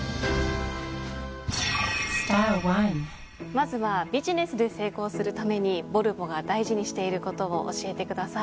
まずはビジネスで成功するためにボルボが大事にしていることを教えてください。